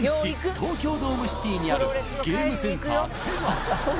・東京ドームシティにあるゲームセンター・セガ